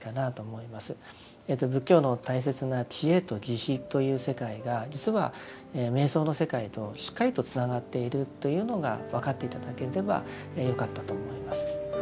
仏教の大切な智慧と慈悲という世界が実は瞑想の世界としっかりとつながっているというのが分かって頂ければよかったと思います。